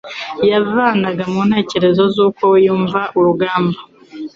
yavanaga mu ntekerezo z'uko we yumva urugamba.